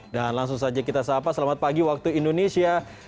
dan langsung saja kita sahabat selamat pagi waktu indonesia